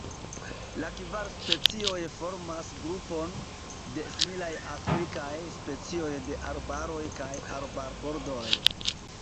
La kvar specioj formas grupon de similaj afrikaj specioj de arbaroj kaj arbarbordoj.